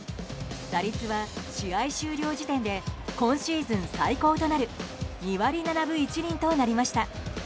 打率は試合終了時点で今シーズン最高となる２割７分１厘となりました。